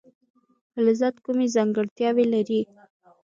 فلزات کومې ځانګړتیاوې لري.